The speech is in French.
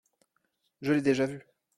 Je l’ai déjà vu.